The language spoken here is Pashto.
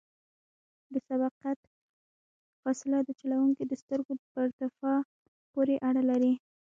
د سبقت فاصله د چلوونکي د سترګو په ارتفاع پورې اړه لري